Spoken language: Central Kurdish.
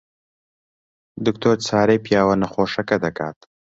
دکتۆر چارەی پیاوە نەخۆشەکە دەکات.